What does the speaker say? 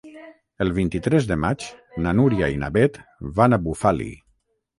El vint-i-tres de maig na Núria i na Beth van a Bufali.